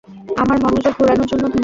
আমার মনোযোগ ঘোরানোর জন্য ধন্যবাদ।